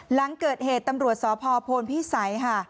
หลังเกิดเหตุตำรวจสอบพพพี่สัย